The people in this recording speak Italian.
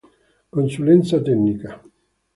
Consulenza tecnica